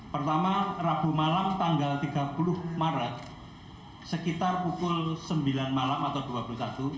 pertama rabu malam tanggal tiga puluh maret sekitar pukul sembilan malam atau dua puluh satu